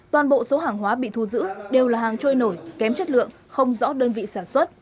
toàn bộ số hàng hóa bị thu giữ đều là hàng trôi nổi kém chất lượng không rõ đơn vị sản xuất